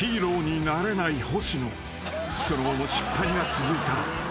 ［その後も失敗が続いた］